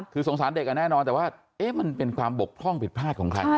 คือสงสารเด็กแน่นอนแต่ว่ามันเป็นความบกพร่องผิดพลาดของใคร